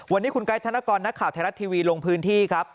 วันนี้คุณไกด์ธนกรนักข่าวไทยรัฐทีวีลงพื้นที่ครับ